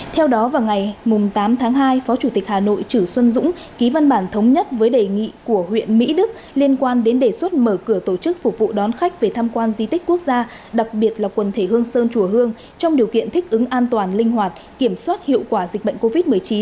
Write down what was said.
theo đó vào ngày tám tháng hai phó chủ tịch hà nội chử xuân dũng ký văn bản thống nhất với đề nghị của huyện mỹ đức liên quan đến đề xuất mở cửa tổ chức phục vụ đón khách về tham quan di tích quốc gia đặc biệt là quần thể hương sơn chùa hương trong điều kiện thích ứng an toàn linh hoạt kiểm soát hiệu quả dịch bệnh covid một mươi chín